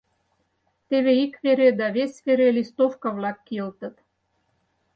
Теве ик вере да вес вере листовка-влак кийылтыт.